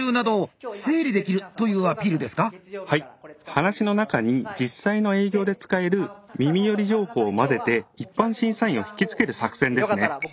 話の中に実際の営業で使える耳寄り情報を交ぜて一般審査員をひきつける作戦ですね。